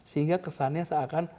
sehingga kesannya seakan